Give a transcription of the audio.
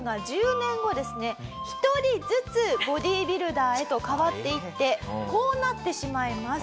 １人ずつボディビルダーへと変わっていってこうなってしまいます。